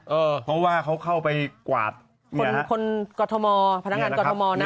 เออเพราะว่าเขาเข้าไปกวาดคนคนกฎธมอร์พนักงานกฎธมอร์นะ